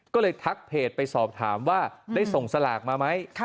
ก็เลยทักเพจไปสอบถามว่าได้ส่งสลากมาไหม